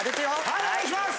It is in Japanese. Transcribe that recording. はいお願いします！